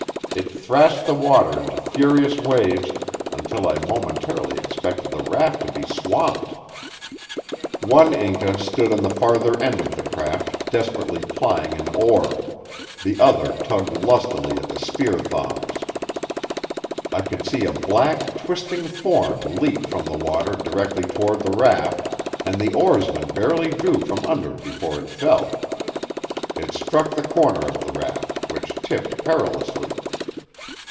It thrashed the water into furious waves until I momentarily expected the raft to be swamped. One Inca stood on the farther edge of the craft desperately plying an oar; the other tugged lustily at the spear thongs. I could see a black, twisting form leap from the water directly toward the raft, and the oarsman barely drew from under before it fell. It struck the corner of the raft, which tipped perilously.